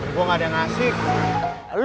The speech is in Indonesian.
atau lu ngobrol sama temen lu